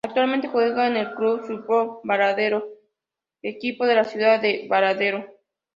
Actualmente juega en Club Sportivo Baradero, equipo de la ciudad de Baradero.